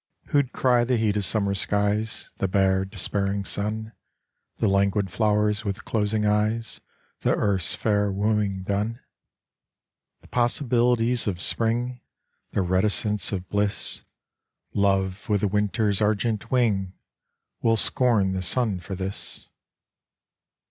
Who'd cry the heat of summer skies, The bare, despairing sun, The languid flowers, with closing eyes, The earth's fair wooing done? The possibilities of spring, The reticence of bliss, Love with the winter's argent wing, We'll scorn the sun for this.